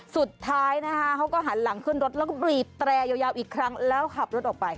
สุดท้ายนะคะเขาก็หันหลังขึ้นรถแล้วก็บีบแตรยาวอีกครั้งแล้วขับรถออกไป